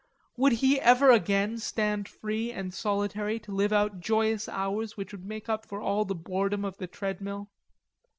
Would he ever again stand free and solitary to live out joyous hours which would make up for all the boredom of the treadmill?